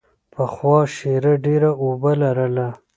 پخوا شیره ډېره اوبه لرله.